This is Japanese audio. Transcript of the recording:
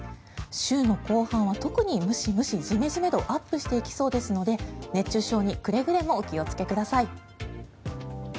週の後半は特にムシムシジメジメ度アップしていきそうですので熱中症にくれぐれもお気をつけください。